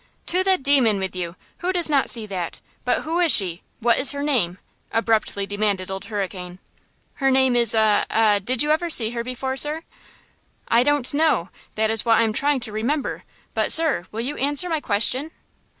"To the demon with you! Who does not see that? But who is she? What is her name?" abruptly demanded Old Hurricane. "Her name is a–a–did you ever see her before, sir?" "I don't know! That is what I am trying to remember; but, sir, will you answer my question?"